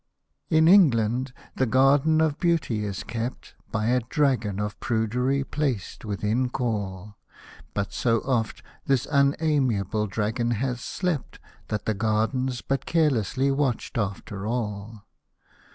In England, the garden of Beauty is kept By a dragon of prudery placed within call ; But so oft this unamiable dragon has slept, That the garden's but carelessly watched after all.